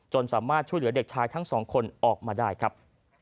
สามารถช่วยเหลือเด็กชายทั้งสองคนออกมาได้ครับ